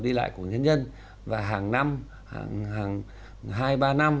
đi lại của nhân dân và hàng năm hàng hai ba năm